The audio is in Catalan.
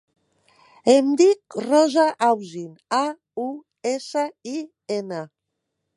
Em dic Rosa Ausin: a, u, essa, i, ena.